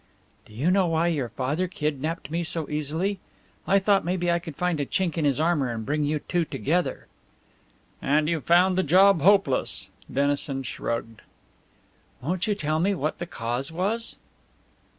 "Do you know why your father kidnaped me so easily? I thought maybe I could find a chink in his armour and bring you two together." "And you've found the job hopeless!" Dennison shrugged. "Won't you tell me what the cause was?"